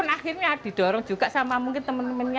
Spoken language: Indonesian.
akhirnya didorong juga sama mungkin teman temannya